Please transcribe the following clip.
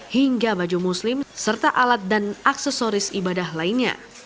hingga baju muslim serta alat dan aksesoris ibadah lainnya